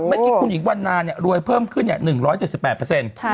เมื่อกี้คุณหญิงวันนารวยเพิ่มขึ้น๑๗๘เปอร์เซ็นต์